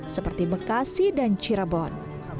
seperti bekasi dan cirebon